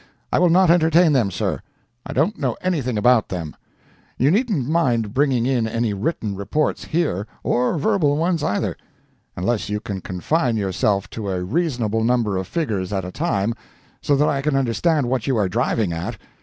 I will not entertain them, sir; I don't know anything about them. You needn't mind bringing in any written reports here—or verbal ones either, unless you can confine yourself to a reasonable number of figures at a time, so that I can understand what you are driving at.